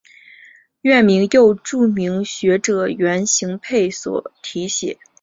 院名又著名学者袁行霈题写。